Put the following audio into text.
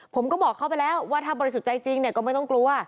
ผมก็บอกเขาไปแล้วว่าถ้าบริสุทธิ์ใจจริงเนี่ยก็ไม่ต้องกลัว